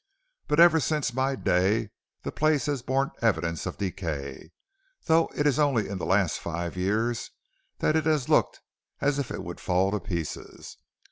But ever since my day the place has borne evidences of decay, though it is only in the last five years it has looked as if it would fall to pieces.